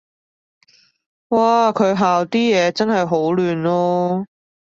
嘩，佢校啲嘢真係好亂囉